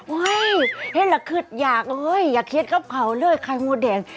เฮ้ยเฮ้ยละคริสต์อยากเฮ้ยอย่าเคลียดกระเป๋าเลยไข่มัวแดง